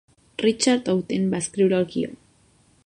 Richard Outten va escriure el guió.